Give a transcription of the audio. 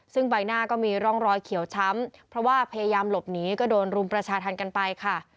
ซึ่งใบหน้าก็มีร่องรอยเขียวช้ำเพราะว่าพยายามหลบหนีก็โดนรุมประชาธรรมกันไปค่ะ